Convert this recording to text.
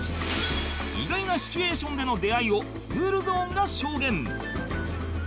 意外なシチュエーションでの出会いをスクールゾーンが証言！